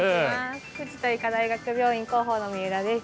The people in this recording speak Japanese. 藤田医科大学病院広報の三浦です。